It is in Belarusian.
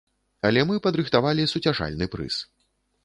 Але мы падрыхтавалі суцяшальны прыз.